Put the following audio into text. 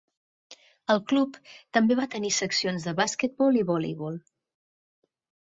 El club també va tenir seccions de basquetbol i voleibol.